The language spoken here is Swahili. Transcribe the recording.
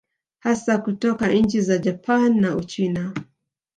Hasa kutoka nchi za Japani na Uchina